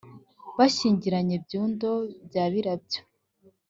bashyingiranye byondo bya byirabo,